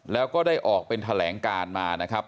แล้วก็ได้ออกเป็นแถลงการมานะครับ